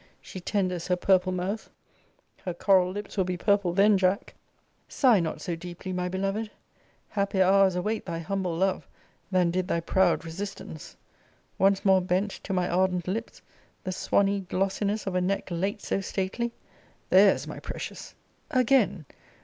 She tenders her purple mouth [her coral lips will be purple then, Jack!]: sigh not so deeply, my beloved! Happier hours await thy humble love, than did thy proud resistance. Once more bent to my ardent lips the swanny glossiness of a neck late so stately. There's my precious! Again!